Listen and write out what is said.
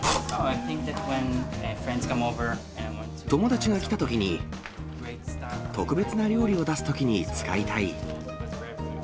友達が来たときに、特別な料理を出すときに使いたい。